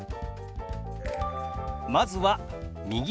まずは「右手」。